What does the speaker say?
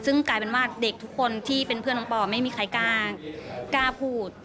ซึ่งกลายเป็นว่าเด็กทุกคนที่เป็นเพื่อนน้องปอไม่มีใครกล้าพูด